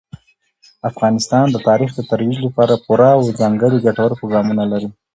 افغانستان د تاریخ د ترویج لپاره پوره او ځانګړي ګټور پروګرامونه لري.